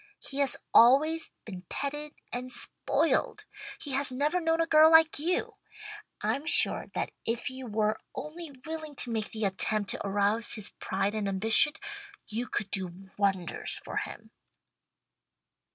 He has always been petted and spoiled. He has never known a girl like you. I'm sure that if you were only willing to make the attempt to arouse his pride and ambition, you could do wonders for him."